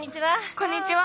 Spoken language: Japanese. こんにちは。